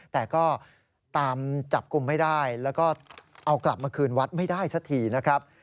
แต่ก็ตามจับกลุ่มไม่ได้แล้วก็เอากลับมาคืนวัดไม่ได้สักทีนะครับ